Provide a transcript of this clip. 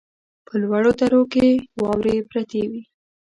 په لوړو درو کې واورې پرتې وې.